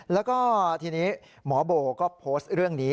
แล้วก็ทีนี้หมอโบก็โพสต์เรื่องนี้